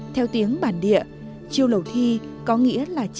theo tiếng bản địa chiêu lầu thi có nghĩa là